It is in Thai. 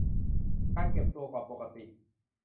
การเก็บตัวกว่าปกติ